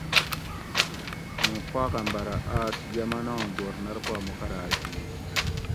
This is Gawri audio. موں پاغمبرہ آس یمن آں گورنر پا مقرار کِیش